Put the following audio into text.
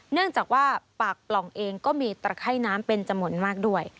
เนื่องจากว่าปากปล่องเองก็มีตระไข้น้ำเป็นจำนวนมากด้วย